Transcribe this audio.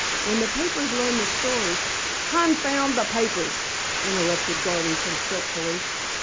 When the papers learn the story " "Confound the papers!" interrupted Garvington fretfully.